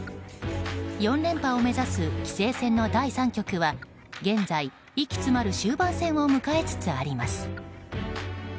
４連覇を目指す棋聖戦の第３局は現在、息詰まる終盤戦を迎えつつあります。